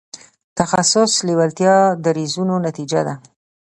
تخصص لېوالتیا دریځونو نتیجه ده.